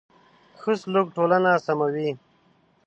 ښه سلوک ټولنه سموي.